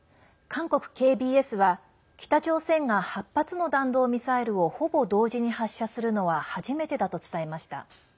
韓国ＫＢＳは北朝鮮が８発の弾道ミサイルをほぼ同時に発射するのは初めてだと伝えました。